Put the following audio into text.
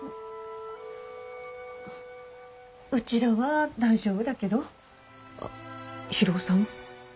うちらは大丈夫だけど博夫さんは？